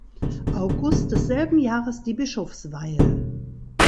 August desselben Jahres die Bischofsweihe.